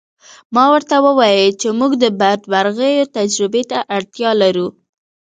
ما ورته وویل چې موږ د بدمرغیو تجربې ته اړتیا لرو